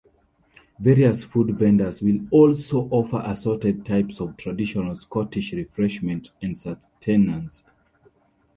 Various food vendors will also offer assorted types of traditional Scottish refreshment and sustenance.